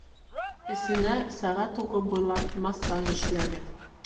- эсенә сәғәт уғы буйлап массаж эшләгеҙ